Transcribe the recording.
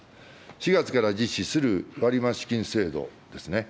４月から実施する割増金制度ですね。